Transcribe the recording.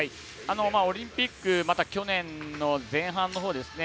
オリンピック、また去年の前半のほうですね。